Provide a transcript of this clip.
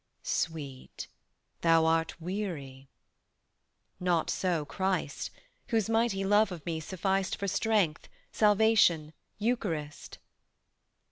"Sweet, thou art weary." "Not so Christ: Whose mighty love of me sufficed For Strength, Salvation, Eucharist."